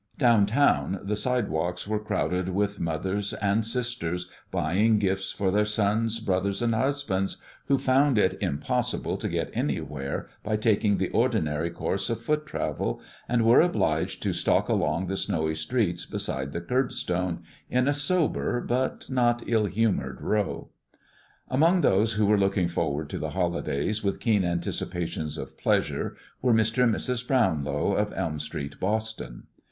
Down town the sidewalks were crowded with mothers and sisters, buying gifts for their sons, brothers, and husbands, who found it impossible to get anywhere by taking the ordinary course of foot travel, and were obliged to stalk along the snowy streets beside the curbstone, in a sober but not ill humored row. Among those who were looking forward to the holidays with keen anticipations of pleasure, were Mr. and Mrs. Brownlow, of Elm Street, Boston.